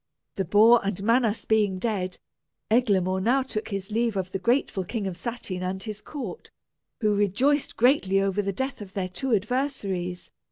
The boar and Manas being dead, Eglamour now took his leave of the grateful King of Satyn and his court, who rejoiced greatly over the death of their two adversaries.